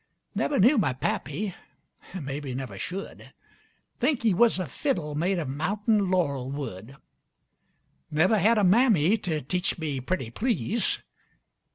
Never knew my pappy, mebbe never should. Think he was a fiddle made of mountain laurel wood. Never had a mammy to teach me pretty please.